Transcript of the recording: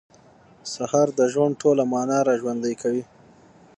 سهار د ژوند ټوله معنا راژوندۍ کوي.